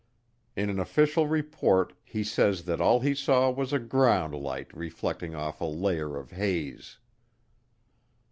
In an official report he says that all he saw was a ground light reflecting off a layer of haze.